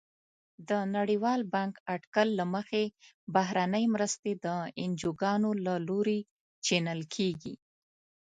د نړیوال بانک اټکل له مخې بهرنۍ مرستې د انجوګانو له لوري چینل کیږي.